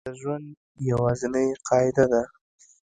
د ژوند یوازینۍ قاعده ده